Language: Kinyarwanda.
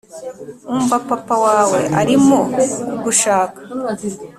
Umva papa wawe arimo kugushaka